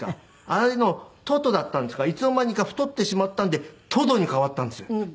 あれの「とと」だったんですがいつの間にか太ってしまったんで「とど」に変わったんですよ。